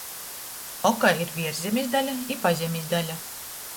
Okai ir vierszemis daļa i pazemis daļa.